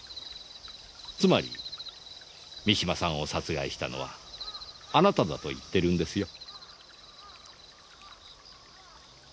つまり三島さんを殺害したのはあなただと言ってるんですよ。